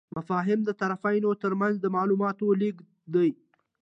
مفاهمه د طرفینو ترمنځ د معلوماتو لیږد دی.